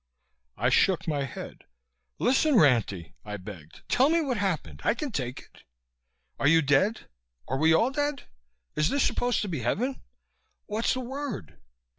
I shook my head. "Listen, Ranty," I begged. "Tell me what happened. I can take it. Are you dead? Are we all dead? Is this supposed to be heaven? What's the word?"